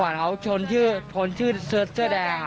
ฝากเขาชนชื่อเสื้อแดง